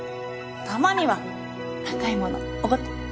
たまには高いものおごって。